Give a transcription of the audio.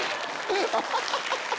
アハハハハ！